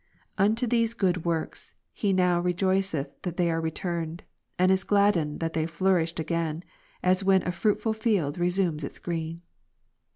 Unto these good works, he now rejoiceth that they are returned ; and is gladdened that they flourished ^_ again, as when a fruitful field resumes its green.